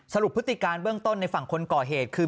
พฤติการเบื้องต้นในฝั่งคนก่อเหตุคือ